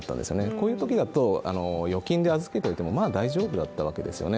こういうときだと、預金で預けてても大丈夫だったわけですね。